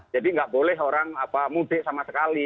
jadi nggak boleh orang mudik sama sekali